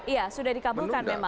iya sudah dikabulkan memang